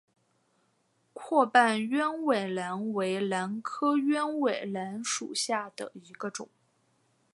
阔瓣鸢尾兰为兰科鸢尾兰属下的一个种。